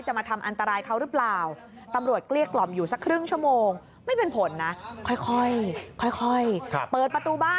จะมาทำอันตรายเขาหรือเปล่า